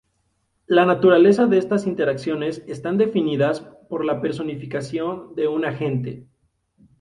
La naturaleza de estas interacciones están definidas por la personificación de un agente.